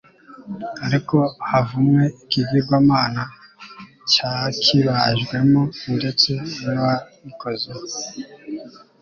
ariko havumwe ikigirwamana cyakibajwemo ndetse n'uwagikoze